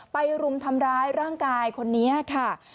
รุมทำร้ายร่างกายคนนี้ค่ะ